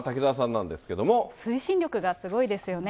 推進力がすごいですよね。